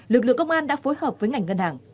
lực lượng công an đã phối hợp với ngành ngân hàng